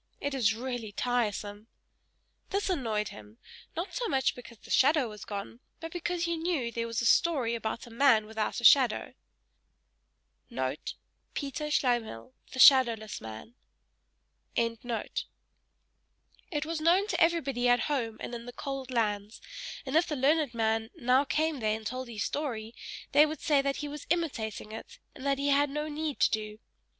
It is really tiresome!" This annoyed him: not so much because the shadow was gone, but because he knew there was a story about a man without a shadow.* It was known to everybody at home, in the cold lands; and if the learned man now came there and told his story, they would say that he was imitating it, and that he had no need to do.